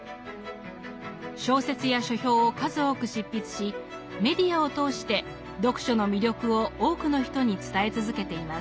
小説や書評を数多く執筆しメディアを通して読書の魅力を多くの人に伝え続けています。